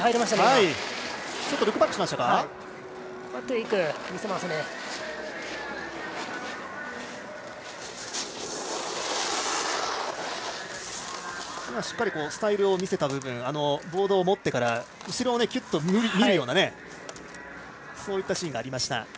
しっかりスタイルを見せた部分ボードを持ってから後ろをキュッと見るようなそういったシーンがありました。